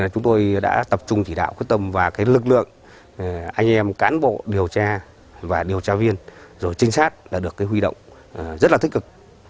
chúng tôi đã tập trung chỉ đạo quyết tâm và cái lực lượng anh em cán bộ điều tra và điều tra viên rồi trinh sát đã được cái huy động rất là thích cực